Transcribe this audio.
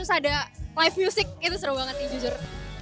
terus ada live music itu seru banget nih jujur